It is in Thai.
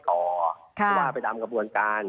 คือว่าไปดำกับวนการ